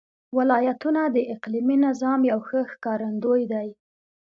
ولایتونه د اقلیمي نظام یو ښه ښکارندوی دی.